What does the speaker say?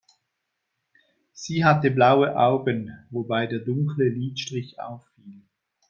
Sie hatte blaue Augen, wobei der dunkle Lidstrich auffiel.